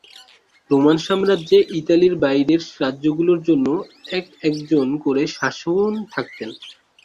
Roman সাম্রাজ্যে ইতালির বাইরের রাজ্যগুলোর জন্য একজন একজন করে শাসন থাকতেন।